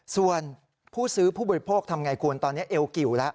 ส่วนผู้ซื้อผู้บริโภคทำไงคุณตอนนี้เอวกิวแล้ว